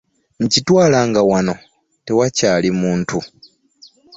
Nkitwala nga wano tewakyali muntu!